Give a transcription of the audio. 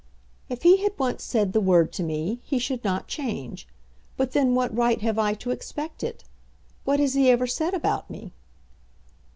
"If he had once said the word to me, he should not change. But then what right have I to expect it? What has he ever said about me?"